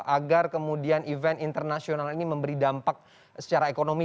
agar kemudian event internasional ini memberi dampak secara ekonomi